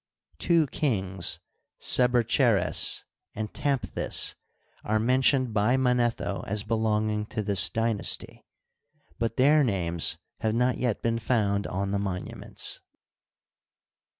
Two kings, Sebercheres and TamphthiSy are mentioned by Manetho as belonging to this dynasty, but their names have not yet been found on the monuments.